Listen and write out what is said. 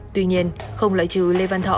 tuy nhiên không lợi trừ lê văn thọ